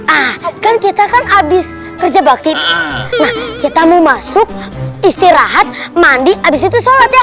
ah kan kita kan abis kerja bakti nah kita mau masuk istirahat mandi abis itu sholat ya